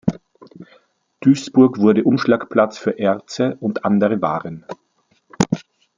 Duisburg wurde Umschlagplatz für Erze und andere Waren.